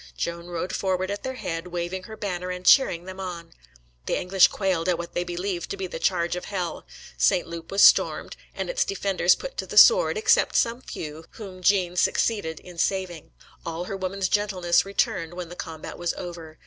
Joan rode forward at their head, waving her banner and cheering them on. The English quailed at what they believed to be the charge of hell; St. Loup was stormed, and its defenders put to the sword, except some few, whom Jean succeeded in saving. All her woman's gentleness returned when the combat was over.